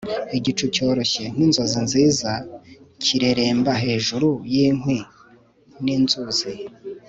Igicu cyoroshye nkinzozi nziza kireremba hejuru yinkwi ninzuzi